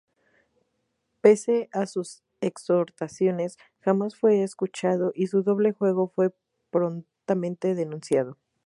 Pese a sus exhortaciones, jamás fue escuchado y su doble juego fue prontamente denunciado.